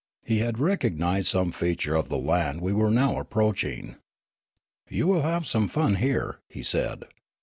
He had recognised some feature of the land we were now approaching. " You will have some fun here," he said.